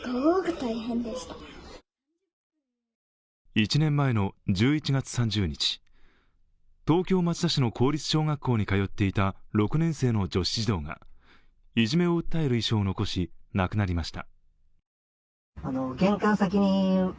１年前の１１月３０日東京・町田市の公立小学校に通っていた６年生の女子児童がいじめを訴える遺書を残し亡くなりました。